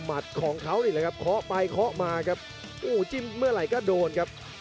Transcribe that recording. มัดของเขานี่เลยครับ